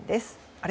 あれ？